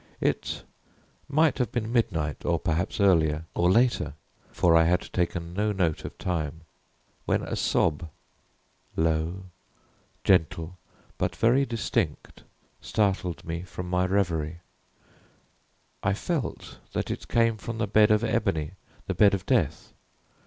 It might have been midnight, or perhaps earlier, or later, for I had taken no note of time, when a sob, low, gentle, but very distinct, startled me from my revery. I felt that it came from the bed of ebony the bed of death.